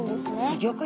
すギョく